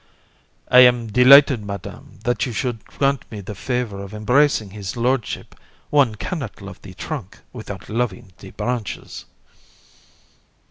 THI. I am delighted, Madam, that you should grant me the favour of embracing his lordship. One cannot love the trunk without loving the branches.